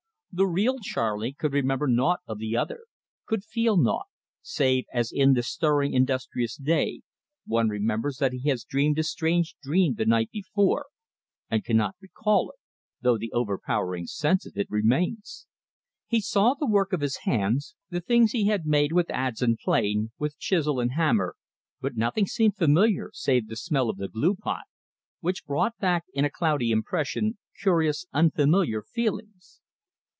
The real Charley could remember naught of the other, could feel naught, save, as in the stirring industrious day, one remembers that he has dreamed a strange dream the night before, and cannot recall it, though the overpowering sense of it remains. He saw the work of his hands, the things he had made with adze and plane, with chisel and hammer, but nothing seemed familiar save the smell of the glue pot, which brought back in a cloudy impression curious unfamiliar feelings.